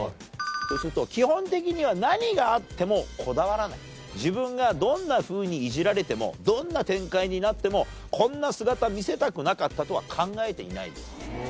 そうすると基本的には「何があってもこだわらない」「自分がどんな風にイジられてもどんな展開になってもこんな姿見せたくなかったとは考えていないです」と。